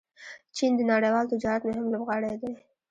چین د نړیوال تجارت مهم لوبغاړی دی.